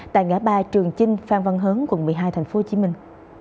tại ngã ba trường chinh phan văn hớn quận một mươi hai thành phố hồ chí minh